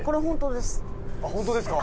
本当ですか？